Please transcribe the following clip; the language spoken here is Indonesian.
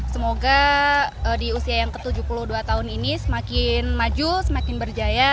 semoga di usia yang ke tujuh puluh dua tahun ini semakin maju semakin berjaya